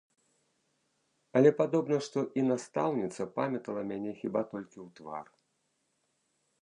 Але, падобна, што і настаўніца памятала мяне хіба толькі ў твар.